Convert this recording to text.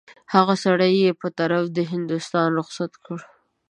هغه سړی یې په طرف د هندوستان رخصت کړ.